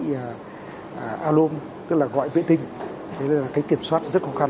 là alum tức là gọi vệ tinh đấy là cái kiểm soát rất khó khăn